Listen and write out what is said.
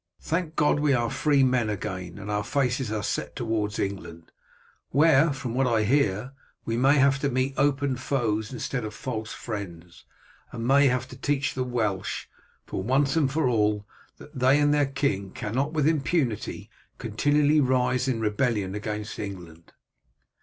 Thank God we are free men again, and our faces are set towards England, where, from what I hear, we may have to meet open foes instead of false friends, and may have to teach the Welsh, once and for all, that they and their king cannot with impunity continually rise in rebellion against England.